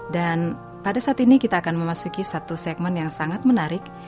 dan pada saat ini kita akan memasuki satu segmen yang sangat menarik